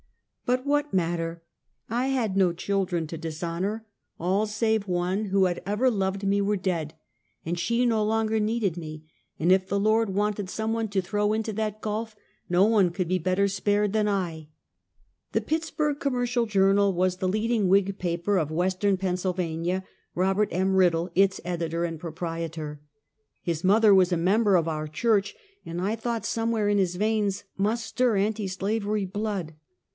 But what matter? I had no children to dishonor; all save one who had ever loved i Mexican Wak Letteks. 93 me were dead, and slie no longer needed me, and if the Lord wanted some one to tlirow into that gulf, no one could be better spared than I. The Pittsburg Commercial Journal was the lead ing Whig paper of western Pennsylvania, Robert M. Kiddle, its editor and proj)rietor. His mother was a member of our church, and I thought somewhere in his veins must stir anti slavery blood.